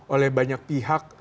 oleh banyak pihak